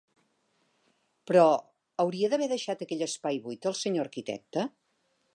Però, hauria d'haver deixat aquell espai buit el Senyor Arquitecte?